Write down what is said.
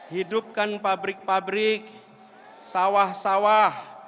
hidupkan pabrik pabrik sawah sawah